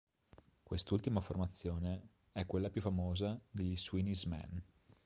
Quest'ultima formazione è quella più famosa degli Sweeney's Men.